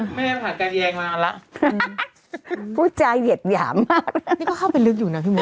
แม่มันหากันแยงมาแล้วผู้ใจเหยียดหยามมากนี่ก็เข้าไปลึกอยู่น่ะพี่หมู